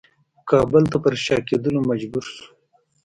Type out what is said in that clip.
کابل ته پر شا کېدلو مجبور شو.